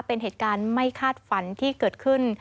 เป็นเหตุการณ์ไม่คาดฝันที่เกิดขึ้น